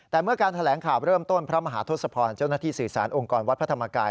แต่เมื่อการแถลงข่าวเริ่มต้นพระมหาทศพรเจ้าหน้าที่สื่อสารองค์กรวัดพระธรรมกาย